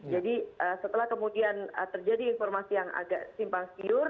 jadi setelah kemudian terjadi informasi yang agak simpang siur